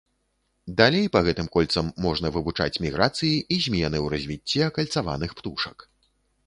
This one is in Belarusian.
Далей па гэтым кольцам можна вывучаць міграцыі і змены ў развіцці акальцаваных птушак.